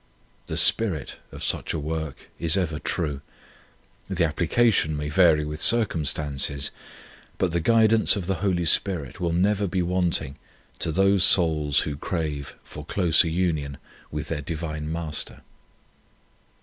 The spirit of such a work is ever true ; the application may vary with circumstances, but the guidance of the Holy Spirit will never be wanting to those souls who crave for closer union with their Divine Master.